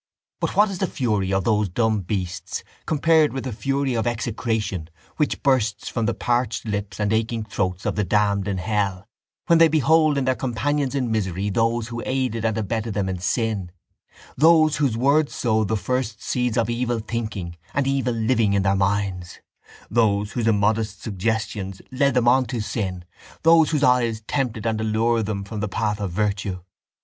But what is the fury of those dumb beasts compared with the fury of execration which bursts from the parched lips and aching throats of the damned in hell when they behold in their companions in misery those who aided and abetted them in sin, those whose words sowed the first seeds of evil thinking and evil living in their minds, those whose immodest suggestions led them on to sin, those whose eyes tempted and allured them from the path of virtue.